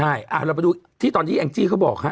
ว่าใไปดูที่ตอนที่แอ้งจี่เค้าบอกครับ